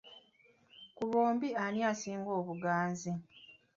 Ku bombi ani asinga obuganzi?